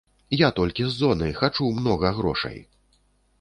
Я толькі з зоны, хачу многа грошай.